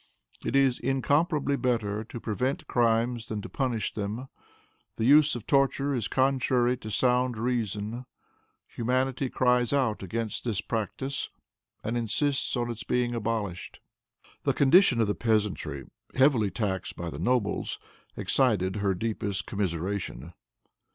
It is incomparably better to prevent crimes than to punish them. The use of torture is contrary to sound reason. Humanity cries out against this practice, and insists on its being abolished." The condition of the peasantry, heavily taxed by the nobles, excited her deepest commiseration.